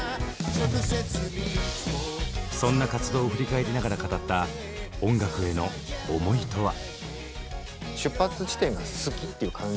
そんな活動を振り返りながら語った音楽への思いとは？